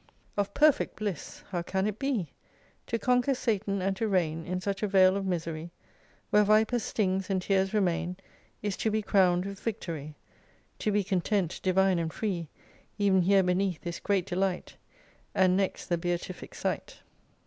2 Of perfect Bliss ! How can it be ? To conquer Satan, and to reign In such a vale of misery, "Where vipers, stings, and tears remain, Is to be crowned with victory. To be content, divine, and free, Even here beneath is great delight And next the Beatific Sight.